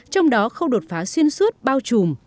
trong đó khâu đột phá xuyên suốt bao trùm